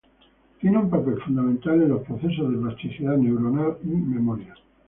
Tienen un papel fundamental en los procesos de plasticidad neuronal y memoria.